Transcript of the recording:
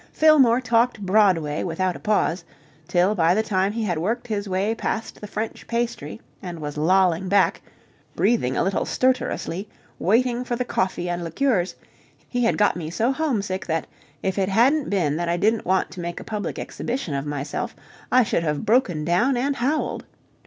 Fillmore talked Broadway without a pause, till by the time he had worked his way past the French pastry and was lolling back, breathing a little stertorously, waiting for the coffee and liqueurs, he had got me so homesick that, if it hadn't been that I didn't want to make a public exhibition of myself, I should have broken down and howled.